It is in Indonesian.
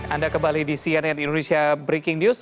anda kembali di cnn indonesia breaking news